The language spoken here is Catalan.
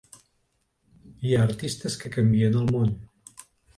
Hi ha artistes que canvien el món.